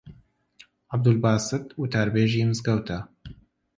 عەبدولباست وتاربێژی مزگەوتە